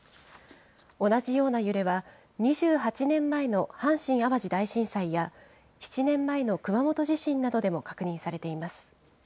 同じような揺れは２８年前の阪神・淡路大震災や、７年前の熊本地震などでも確認されています。